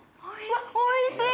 おいしい。